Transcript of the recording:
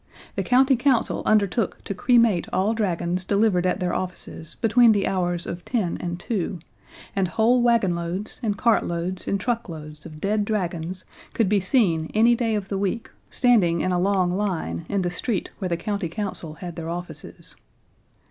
The County Council undertook to cremate all dragons delivered at their offices between the hours of ten and two, and whole wagonloads and cartloads and truckloads of dead dragons could be seen any day of the week standing in a long line in the street where the County Council had their offices.